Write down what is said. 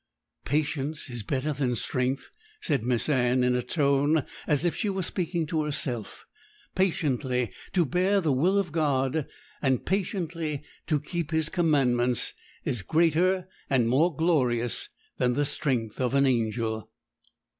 'Patience is better than strength,' said Miss Anne, in a tone as if she were speaking to herself: 'patiently to bear the will of God, and patiently to keep His commandments, is greater and more glorious than the strength of an angel.'